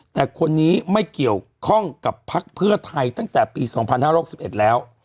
แต่คนนี้ไม่เกี่ยวข้องกับพักเพื่อไทยตั้งแต่ปี๒๕๖๑แล้ว